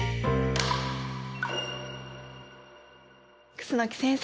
楠木先生。